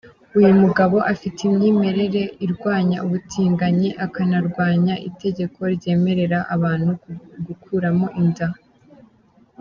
Uyu mugabo, afite imyemerere irwanya ubutinganyi, akanarwanya itegeko ryemerera abantu gukuramo inda.